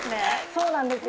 そうなんですよ。